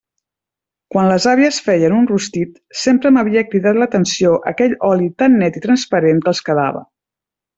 Quan les àvies feien un rostit, sempre m'havia cridat l'atenció aquell oli tan net i transparent que els quedava.